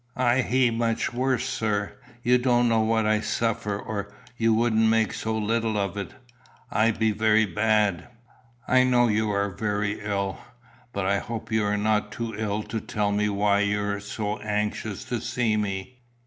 "I he much worse, sir. You don't know what I suffer, or you wouldn't make so little of it. I be very bad." "I know you are very ill, but I hope you are not too ill to tell me why you are so anxious to see me.